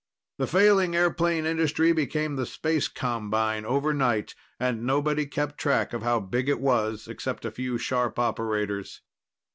The failing airplane industry became the space combine overnight, and nobody kept track of how big it was, except a few sharp operators.